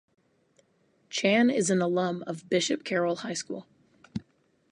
Chan is an alum of Bishop Carroll High School.